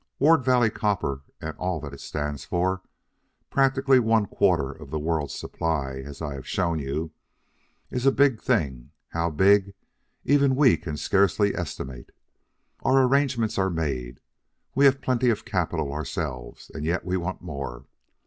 Ward Valley Copper, and all that it stands for, practically one quarter of the world's supply, as I have shown you, is a big thing, how big, even we can scarcely estimate. Our arrangements are made. We have plenty of capital ourselves, and yet we want more.